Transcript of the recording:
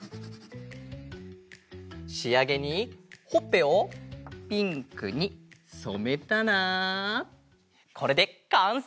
しあげにほっぺをピンクにそめたらこれでかんせい！